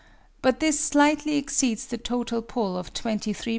but this slightly exceeds the total pull of 23 lbs.